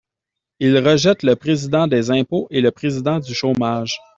Ils rejettent le Président des impôts et le Président du chômage.